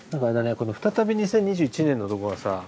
この「再び２０２１年」のとこがさ